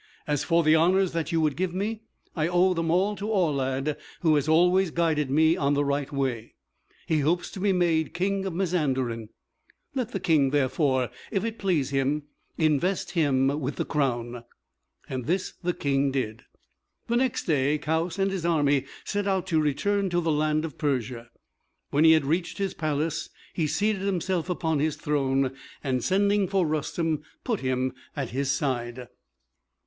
As for the honors that you would give me, I owe them all to Aulad, who has always guided me on the right way. He hopes to be made king of Mazanderan. Let the King, therefore, if it please him, invest him with the crown." And this the King did. The next day Kaoüs and his army set out to return to the land of Persia. When he had reached his palace, he seated himself upon his throne, and sending for Rustem, put him at his side.